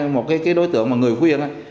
một cái đối tượng mà người khuyên